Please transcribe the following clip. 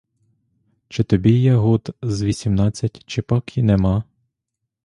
Чи тобі є год з вісімнадцять, чи пак і нема?